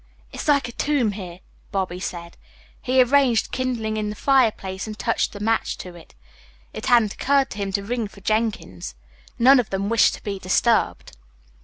"It's like a tomb here," Bobby said. He arranged kindling in the fireplace and touched a match to it. It hadn't occurred to him to ring for Jenkins. None of them wished to be disturbed.